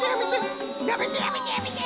やめてやめてやめて！